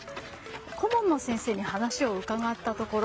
顧問の先生に話を伺ったところ